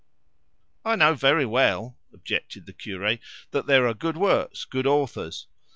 "I know very well," objected the cure, "that there are good works, good authors.